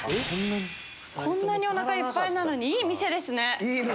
こんなにおなかいっぱいなのにいい店ですね。